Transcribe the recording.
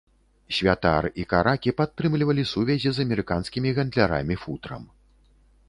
Святар і каракі падтрымлівалі сувязі з амерыканскімі гандлярамі футрам.